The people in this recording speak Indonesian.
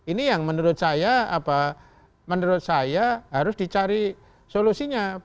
ini yang menurut saya harus dicari solusinya